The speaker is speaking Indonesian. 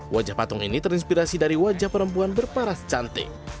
wajah patung ini terinspirasi dari wajah perempuan berparas cantik